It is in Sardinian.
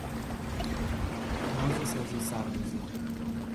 Nois semus sardos.